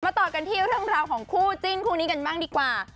ต่อกันที่เรื่องราวของคู่จิ้นคู่นี้กันบ้างดีกว่า